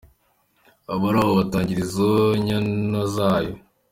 Abari aho batangarira izo nyana zayo.